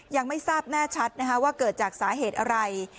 ยังไม่ทราบแน่ชัดว่าเกิดจากสาเหตุอะไร